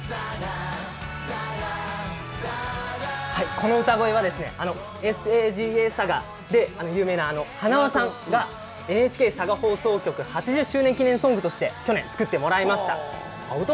この歌声は「ＳＡＧＡさが」で有名なはなわさんがＮＨＫ佐賀放送局８０周年記念ソングとしておととし、作ってくれました。